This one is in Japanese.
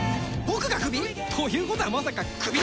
僕がクビ？ということはまさかクビ！？